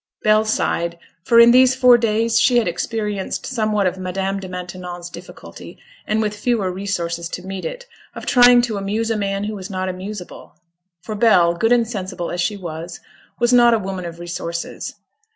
Bell sighed, for in these four days she had experienced somewhat of Madame de Maintenon's difficulty (and with fewer resources to meet it) of trying to amuse a man who was not amusable. For Bell, good and sensible as she was, was not a woman of resources.